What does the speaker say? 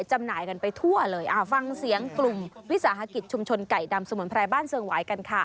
จำหน่ายกันไปทั่วเลยฟังเสียงกลุ่มวิสาหกิจชุมชนไก่ดำสมุนไพรบ้านเซิงหวายกันค่ะ